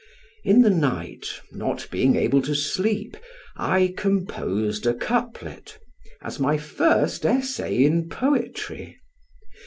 In the night (not being able to sleep) I composed a couplet, as my first essay in poetry.